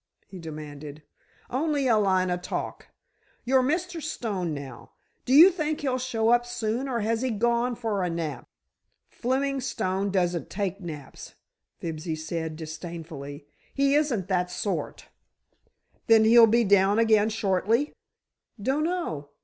he demanded. "Only a line o' talk. Your Mr. Stone, now, do you think he'll show up soon, or has he gone for a nap?" "Fleming Stone doesn't take naps," Fibsy said, disdainfully; "he isn't that sort." "Then he'll be down again shortly?" "Dunno.